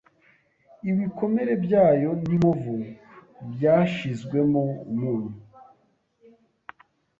ibikomere byayo n'inkovu byashizwemo umunyu,